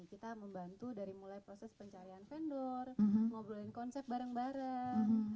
kita membantu dari mulai proses pencarian vendor ngobrolin konsep bareng bareng